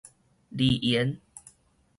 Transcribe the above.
離緣